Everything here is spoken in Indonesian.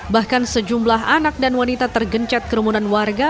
bahkan sejumlah anak dan wanita tergencat kerumunan warga